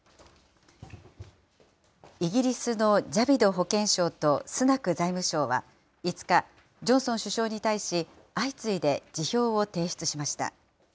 イギリスのジャビド保健相とスナク財務相は、５日、ジョンソン首相に対し、相次いで辞表を提出しました。